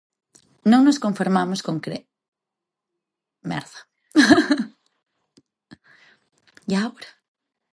"Non nos conformamos con mercar, queremos crear", afirmou.